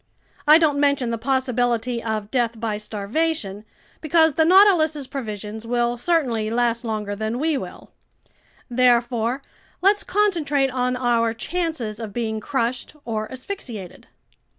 I don't mention the possibility of death by starvation because the Nautilus's provisions will certainly last longer than we will. Therefore, let's concentrate on our chances of being crushed or asphyxiated."